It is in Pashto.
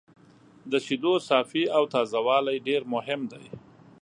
د شیدو صافي او تازه والی ډېر مهم دی.